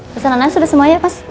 pesanan anak sudah semua ya mas